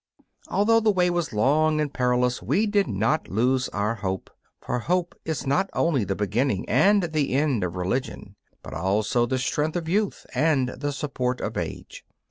Although the way was long and perilous, we did not lose our hope, for hope is not only the beginning and the end of religion, but also the strength of youth and the support of age.